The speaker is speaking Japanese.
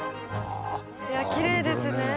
きれいですね。